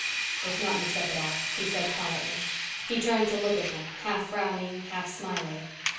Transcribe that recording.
"It's not mixed up at all," he said quietly. He turned to look at her, half frowning, half smiling.